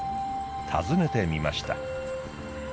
訪ねてみました。